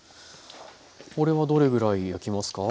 これはどれぐらい焼きますか。